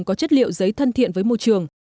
có chất liệu giấy thân thiện với môi trường